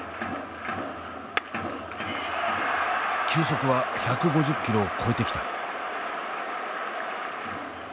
球速は１５０キロを超えてきた。